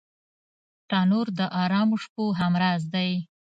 تنور د ارامو شپو همراز دی